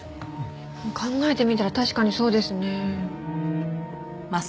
考えてみたら確かにそうですね。